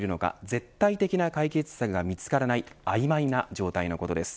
絶対的な解決策が見つからない曖昧な状態のことです。